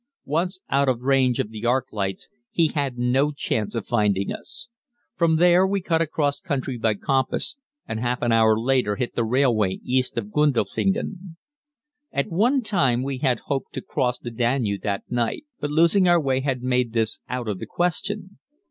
Once out of range of the arc lights he had no chance of finding us. From there we cut across country by compass, and half an hour later hit the railway east of Gundelfingel. At one time we had hoped to cross the Danube that night, but losing our way had made this out of the question.